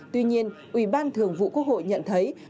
tuy nhiên ủy ban thường vụ quốc hội nhận thấy